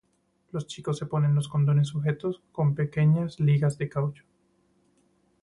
Los chicos se ponen los condones sujetos con pequeñas ligas de caucho.